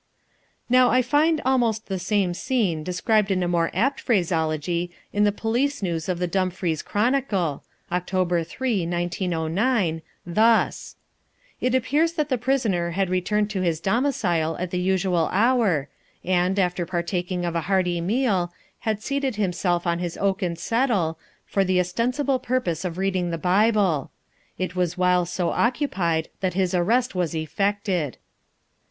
Now I find almost the same scene described in more apt phraseology in the police news of the Dumfries Chronicle (October 3, 1909), thus: "It appears that the prisoner had returned to his domicile at the usual hour, and, after partaking of a hearty meal, had seated himself on his oaken settle, for the ostensible purpose of reading the Bible. It was while so occupied that his arrest was effected."